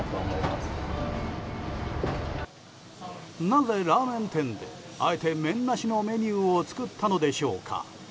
なぜラーメン店であえて麺なしのメニューを作ったのでしょうか。